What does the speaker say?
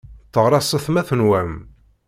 Tteɣraṣet ma tenwam.